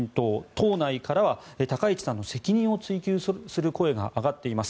党内からは高市さんの責任を追及する声が上がっています。